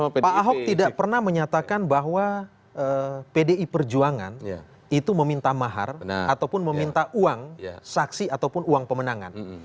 pak ahok tidak pernah menyatakan bahwa pdi perjuangan itu meminta mahar ataupun meminta uang saksi ataupun uang pemenangan